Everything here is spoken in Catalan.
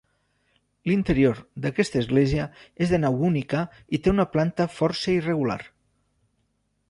L'interior d'aquesta església és de nau única i té una planta força irregular.